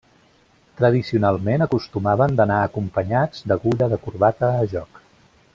Tradicionalment acostumaven d'anar acompanyats d'agulla de corbata a joc.